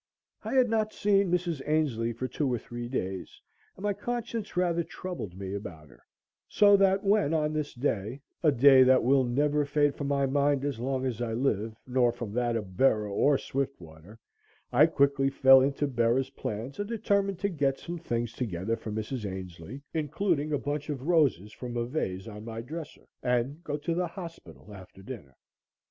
I had not seen Mrs. Ainslee for two or three days, and my conscience rather troubled me about her, so that when, on this day a day that will never fade from my mind as long as I live, nor from that of Bera or Swiftwater I quickly fell into Bera's plans and determined to get some things together for Mrs. Ainslee, including a bunch of roses from a vase on my dresser, and go to the hospital after dinner.